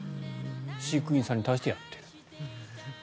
飼育員さんに対してやっている。